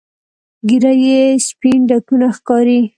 ږیره کې یې سپین ډکونه ښکاري.